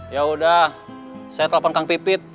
yaudah saya telah pengkang pipit